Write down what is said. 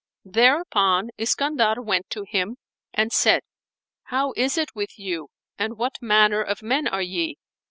Thereupon Iskandar went to him and said, "How is it with you and what manner of men are ye?